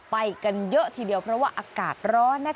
ไปกันเยอะทีเดียวเพราะว่าอากาศร้อน